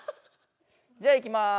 じゃあいきます。